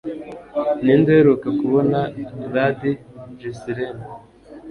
Ninde Uheruka Kubona Lady Ghislaine